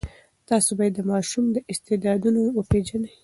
تاسې باید د ماشومانو استعدادونه وپېژنئ.